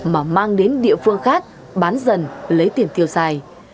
mà mang đến địa phương khác bán dần lấy tiền tiêu xài